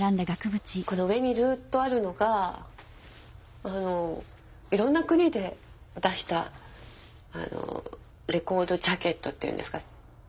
この上にずっとあるのがいろんな国で出したレコードジャケットっていうんですか？